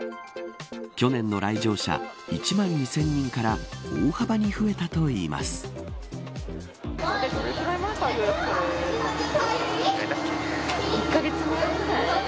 去年の来場者１万２０００人から大幅に増えたといいます。